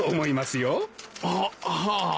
はっはあ。